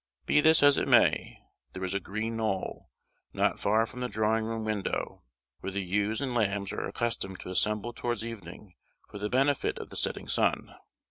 Be this as it may, there is a green knoll, not far from the drawing room window, were the ewes and lambs are accustomed to assemble towards evening for the benefit of the setting sun.